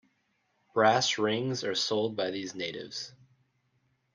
Brass rings are sold by these natives.